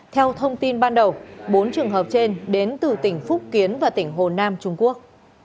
theo thông tin ban đầu bốn trường hợp trên đến từ tỉnh phúc kiến và tỉnh hồ nam trung quốc